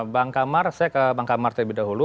bang kamar saya ke bang kamar terlebih dahulu